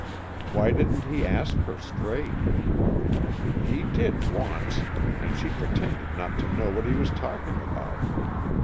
"Why didn't he ask her, straight?" "He did, once, and she pretended not to know what he was talking about.